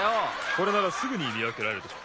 これならすぐにみわけられるでしょ。